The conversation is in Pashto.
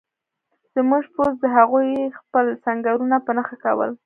زموږ پوځ د هغوی خپل سنګرونه په نښه کول